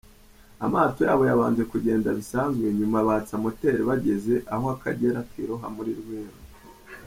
Amato yabo yabanje kugenda bisanzwe nyuma batsa moteri bageze aho Akagera kiroha muri Rweru.